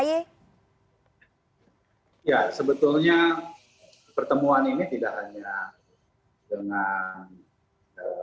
ya sebetulnya pertemuan ini tidak hanya dengan ee